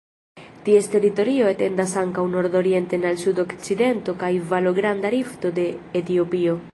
Ties teritorio etendas ankaŭ nordorienten al sudokcidento kaj valo Granda Rifto de Etiopio.